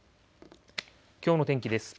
きょうの天気です。